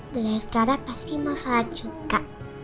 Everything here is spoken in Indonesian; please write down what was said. dari sekarang pasti mau sholat juga